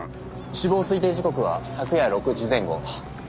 死亡推定時刻は昨夜６時前後。